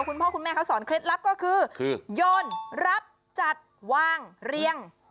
คุณพ่อคุณแม่เขาสอนเคล็ดลับก็คือโยนรับจัดวางเรียง